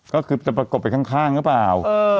ก็คือจะประกบไปข้างหรือเปล่า